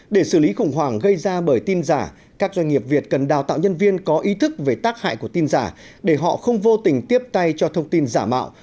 để xử lý khủng hoảng gây ra bởi tin giả các doanh nghiệp việt cần đào tạo nhân viên có ý thức về tác hại của tin giả để họ không vô tình tiếp tay cho thông tin giả mạo